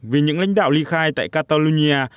vì những lãnh đạo ly khai tại catalonia